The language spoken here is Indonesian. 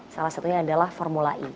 salah satunya adalah formula e